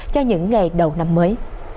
cho những ngày đầu năm mới